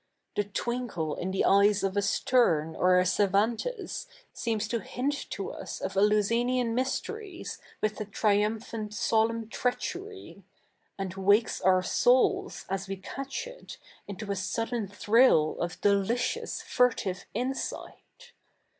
T70 THE NEW RETUTUJC [i'.k. iii The tiv inkle in the eyes of a Stertie or a Cervantes seems to hint to us of Eleusi?iian mysteries with a triumphant solemti treachery ; a?id wakes our souls, as we catch it, into a sudden thrill of delicious, furtive insight.